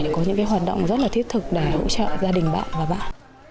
để có những hoạt động rất là thiết thực để hỗ trợ gia đình bạn và bạn